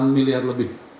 enam miliar lebih